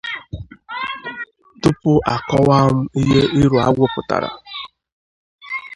Tupuu akọwaa m ihe Ịrụ Agwụ pụtàrà